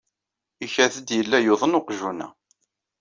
Ikad-d yella yuḍen uqjun-a.